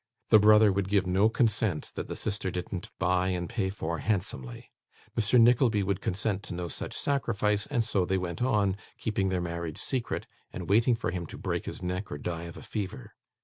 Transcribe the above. The brother would give no consent that the sister didn't buy, and pay for handsomely; Mr. Nickleby would consent to no such sacrifice; and so they went on, keeping their marriage secret, and waiting for him to break his neck or die of a fever.